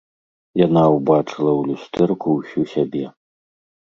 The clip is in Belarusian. Яна ўбачыла ў люстэрку ўсю сябе.